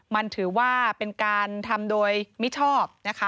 มันถือว่าเป็นการทำโดยมิชอบนะคะ